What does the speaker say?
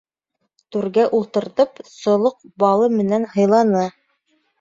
Түргә ултыртып солоҡ балы менән һыйланы.